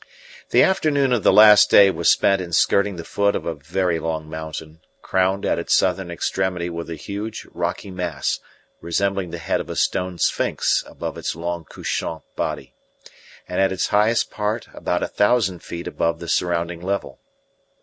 The afternoon of the last day was spent in skirting the foot of a very long mountain, crowned at its southern extremity with a huge, rocky mass resembling the head of a stone sphinx above its long, couchant body, and at its highest part about a thousand feet above the surrounding level.